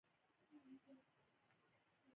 دا تېرې دوه میاشتې پر همدې موضوع فکر کوم.